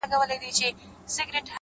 له دېوالونو یې رڼا پر ټوله ښار خپره ده-